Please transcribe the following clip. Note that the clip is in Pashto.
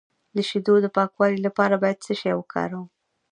د شیدو د پاکوالي لپاره باید څه شی وکاروم؟